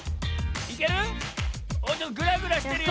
いける？